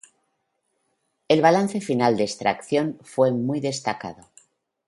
El balance final de extracción fue muy destacado.